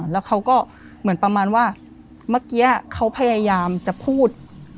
แล้วเขาก็เหมือนประมาณว่าเมื่อกี้เขาพยายามจะพูด